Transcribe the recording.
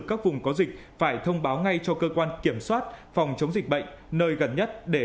các vùng có dịch phải thông báo ngay cho cơ quan kiểm soát phòng chống dịch bệnh nơi gần nhất để